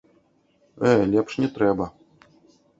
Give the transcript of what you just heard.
Э, лепш не трэба.